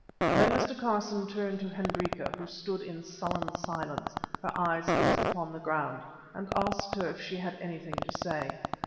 Then Mr. Carson turned to Hendrika, who stood in sullen silence, her eyes fixed upon the ground, and asked her if she had anything to say.